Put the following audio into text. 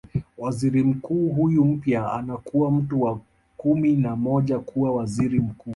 Waziri mkuu huyu mpya anakuwa mtu wa kumi na moja kuwa Waziri Mkuu